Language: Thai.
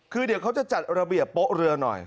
คือเดี๋ยวเขาจะจัดระเบียบโป๊ะเรือหน่อย